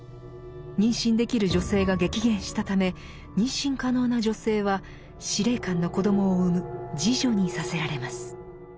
妊娠できる女性が激減したため妊娠可能な女性は司令官の子供を産む「侍女」にさせられます。